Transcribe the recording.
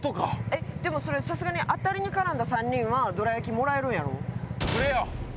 えっでもそれさすがに当たりに絡んだ３人はどら焼きもらえるんやろ？くれよ！